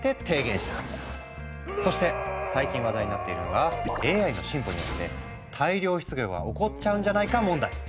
そして最近話題になっているのがＡＩの進歩によって大量失業が起こっちゃうんじゃないか問題。